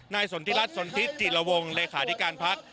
นายสนธิรัตน์สนธิชจิรวงค์เลยขาดริการพักน์